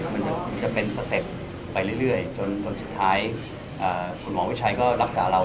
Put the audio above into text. มันจะเป็นสเต็ปไปเรื่อยจนสุดท้ายคุณหมอวิชัยก็รักษาเรา